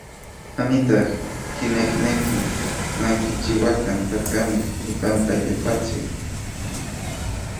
Amitlaj kinejneki ma kichiuakan tlakamej ipampa yejuatsin.